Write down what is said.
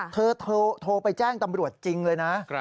เธอโทรไปแจ้งตำรวจจริงเลยนะ